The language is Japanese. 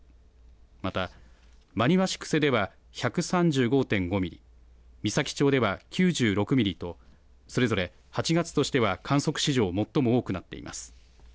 また真庭市久世では１３５．５ミリ、美咲町では９６ミリとそれぞれ８月としては観測史上最も多くなっています。